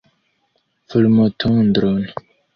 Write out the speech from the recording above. Fulmotondron!